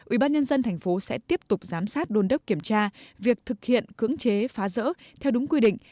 ubnd tp sẽ tiếp tục giám sát đôn đốc kiểm tra việc thực hiện cưỡng chế phá rỡ theo đúng quy định